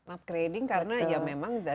upgrading karena ya memang